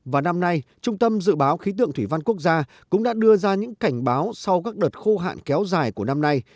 và năm nay trung tâm dự báo khí tượng thủy văn quốc gia cũng đã đưa ra những cảnh báo sau các đợt khô hạn kéo dài của năm nay